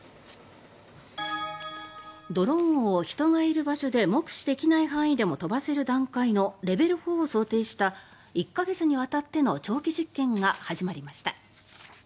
ドローンを人がいる場所で目視できない範囲でも飛ばせる段階のレベル４を想定した１か月にわたっての長期実験が始まりました。